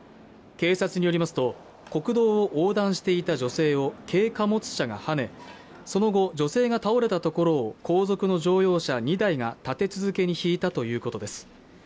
警察によりますと国道を横断していた女性を軽貨物車がはねその後女性が倒れたところを後続の乗用車２台が立て続けに引いたということです